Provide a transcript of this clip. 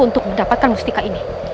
untuk mendapatkan mustika ini